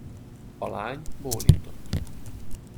A lány bólintott.